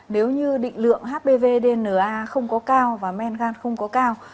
nếu như định lượng hpvdna không có cao và men gan không có cao